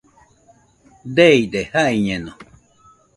Deide, jaiñeno.